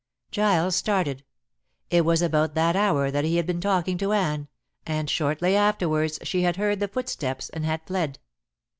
Giles started. It was about that hour that he had been talking to Anne, and shortly afterwards she had heard the footsteps and had fled.